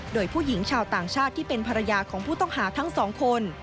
โดยผู้หญิงชาวต่างชาติที่เป็นภรรยาของผู้ต้องหาทั้งสองคน